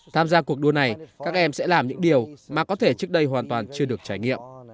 tham gia cuộc đua này các em sẽ làm những điều mà có thể trước đây hoàn toàn chưa được trải nghiệm